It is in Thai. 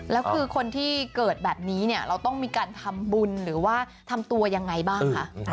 แล้วคือคนที่เกิดแบบนี้เนี่ยเราต้องมีการทำบุญหรือว่าทำตัวยังไงบ้างคะ